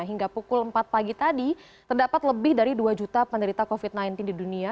hingga pukul empat pagi tadi terdapat lebih dari dua juta penderita covid sembilan belas di dunia